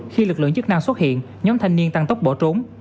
khi lực lượng chức năng xuất hiện nhóm thanh niên tăng tốc bỏ trốn